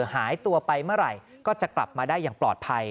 หายตัวไปเมื่อไหร่ก็จะกลับมาได้อย่างปลอดภัย